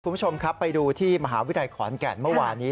คุณผู้ชมครับไปดูที่มหาวิทยาลัยขอนแก่นเมื่อวานนี้